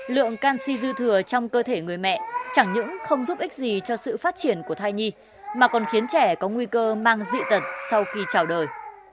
lượng canxi dư thừa trong cơ thể người mẹ chẳng những không giúp ích gì cho sự phát triển của thai nhi mà còn khiến trẻ có nguy cơ mang dị tật sau khi trào đời